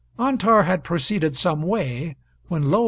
] Antar had proceeded some way, when lo!